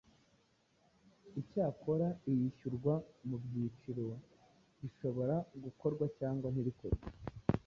Icyakora iyishyurwa mu byiciro rishobora gukorwa cyangwa ntirikorwe